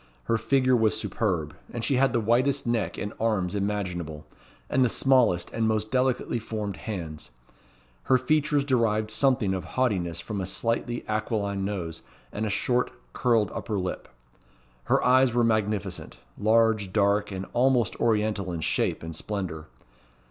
Her figure was superb; and she had the whitest neck and arms imaginable, and the smallest and most delicately formed hands. Her features derived something of haughtiness from a slightly aquiline nose and a short curled upper lip. Her eyes were magnificent large, dark, and almost Oriental in shape and splendour.